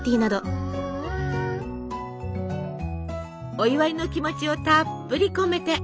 お祝いの気持ちをたっぷり込めて。